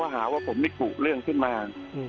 หาว่าผมนี่กุเรื่องขึ้นมา